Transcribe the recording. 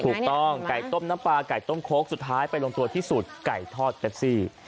ถูกต้องไก่ต้มน้ำปลาไก่ต้มโค้กสุดท้ายไปลงตัวที่สูตรไก่ทอดเซ็กซี่